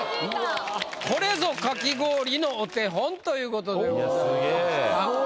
「これぞかき氷のお手本！」という事でございました。